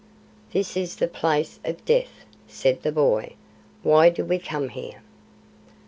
"This is the Place of Death," said the boy. "Why do we come here?"